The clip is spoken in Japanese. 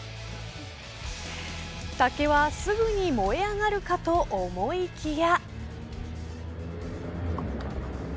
竹はすぐに燃え上がるかと思いきや。